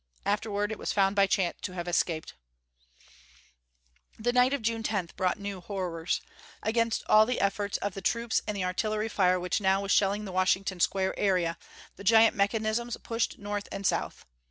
Afterward, it was found by chance to have escaped. The night of June 10th brought new horrors. The city lights failed. Against all the efforts of the troops and the artillery fire which now was shelling the Washington Square area, the giant mechanisms pushed north and south.